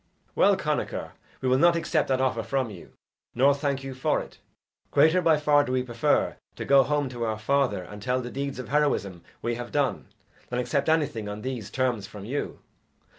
"Well, Connachar, we will not accept that offer from you, nor thank you for it. Greater by far do we prefer to go home to our father and tell the deeds of heroism we have done, than accept anything on these terms from you.